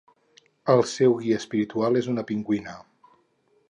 El seu guia espiritual és una pingüina.